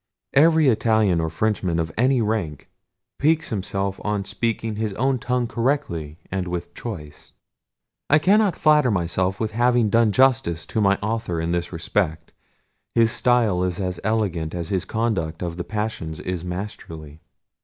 Every Italian or Frenchman of any rank piques himself on speaking his own tongue correctly and with choice. I cannot flatter myself with having done justice to my author in this respect: his style is as elegant as his conduct of the passions is masterly.